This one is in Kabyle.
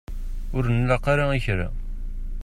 Ur nlaq ula i kra.